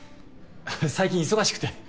最近忙しくて。